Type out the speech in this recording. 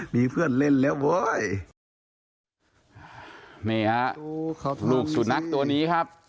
มีเพื่อนเล่นแล้วเว้ยนี่ฮะลูกสุนัขตัวนี้ครับ